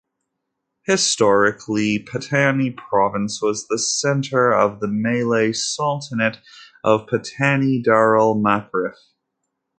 Historically, Pattani Province was the centre of the Malay Sultanate of Patani Darul Makrif.